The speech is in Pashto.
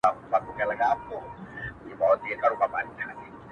له الله تعالی څخه بخښنه وغواړه او هغه ته توبه وکړه.